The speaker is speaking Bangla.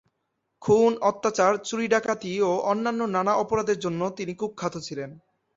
খুন, অত্যাচার, চুরি-ডাকাতি ও অন্যান্য নানা অপরাধের জন্য তিনি কুখ্যাত ছিলেন।